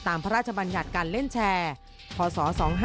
พระราชบัญญัติการเล่นแชร์พศ๒๕๖